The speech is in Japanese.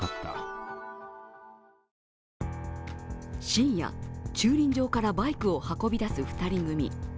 深夜、駐輪場からバイクを運び出す２人組。